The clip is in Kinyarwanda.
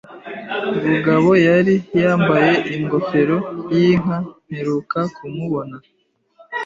Bugabo yari yambaye ingofero yinka mperuka kumubona.